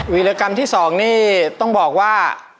วิรากรรมที่๒นี่ต้องบอกว่า